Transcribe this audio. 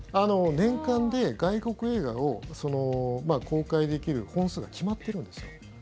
年間で外国映画を公開できる本数が決まってるんですよ。